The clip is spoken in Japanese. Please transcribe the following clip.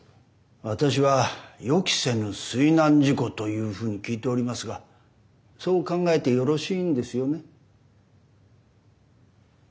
私は予期せぬ水難事故というふうに聞いておりますがそう考えてよろしいんですよね？